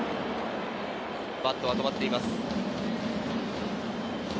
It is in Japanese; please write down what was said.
バットは止まっています。